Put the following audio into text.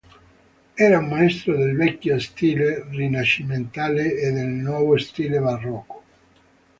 Era un maestro del vecchio stile rinascimentale e del nuovo stile barocco.